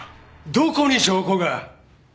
どこに証拠が？